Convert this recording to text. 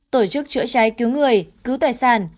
tổ chức chữa cháy cứu người cứu tài sản